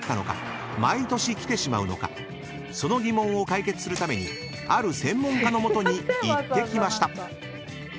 ［その疑問を解決するためにある専門家の元に行ってきました］